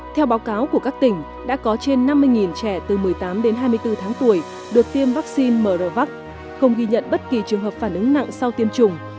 theo báo cáo của các tỉnh đã có trên năm mươi trẻ từ một mươi tám đến hai mươi bốn tháng tuổi được tiêm vaccine mrv không ghi nhận bất kỳ trường hợp phản ứng nặng sau tiêm chủng